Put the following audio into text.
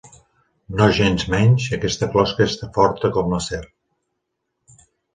Nogensmenys, aquesta closca és forta com l'acer.